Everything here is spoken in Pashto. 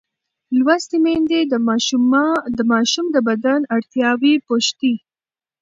لوستې میندې د ماشوم د بدن اړتیاوې پوښتي.